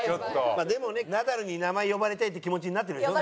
まあでもねナダルに名前呼ばれたいって気持ちになってるでしょ？